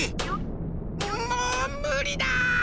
もうむりだ！